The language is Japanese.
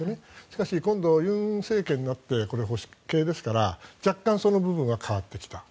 しかし、今度、尹政権になって保守系ですから若干その部分が変わってきた。